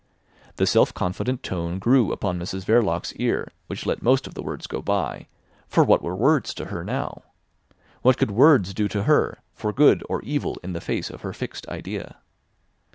The self confident tone grew upon Mrs Verloc's ear which let most of the words go by; for what were words to her now? What could words do to her, for good or evil in the face of her fixed idea?